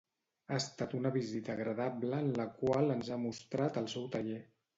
Ha estat una visita agradable en la qual ens ha mostrat el seu taller.